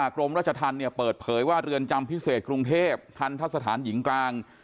กรมราชธรรมเนี่ยเปิดเผยว่าเรือนจำพิเศษกรุงเทพทันทะสถานหญิงกลาง